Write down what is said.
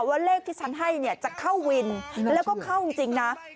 ว่าเลขที่ฉันให้เนี่ยจะเข้าวินแล้วก็เข้าจริงนะ